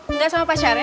enggak sama pacarnya